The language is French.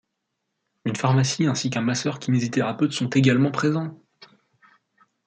Une pharmacie ainsi qu'un masseur kinésithérapeute sont également présents.